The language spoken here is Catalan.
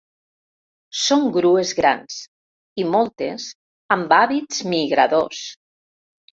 Són grues grans, i moltes amb hàbits migradors.